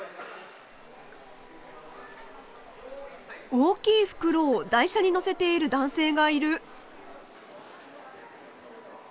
大きい袋を台車に載せている男性がいる。